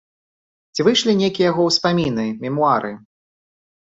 Ці выйшлі нейкія яго ўспаміны, мемуары?